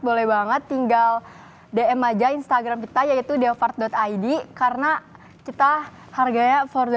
boleh banget tinggal dm aja instagram kita yaitu deopark id karena kita harganya empat